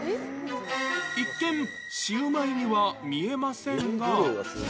一見、シウマイには見えませんが。